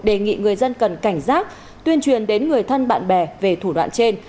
đề nghị người dân cần cảnh giác tuyên truyền đến người thân bạn bè về thủ đoạn trên